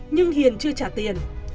nhưng hiền chưa trả tiền